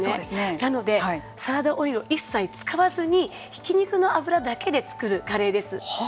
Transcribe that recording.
なのでサラダオイルを一切使わずにひき肉の脂だけで作るカレーです。